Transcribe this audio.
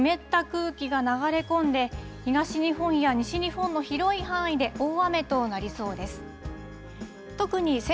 ここに向かって湿った空気が流れ込んで東日本や西日本の広い範囲で大雨となりそうです。